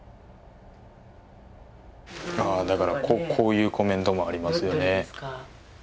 だからこういうコメントもありますよね。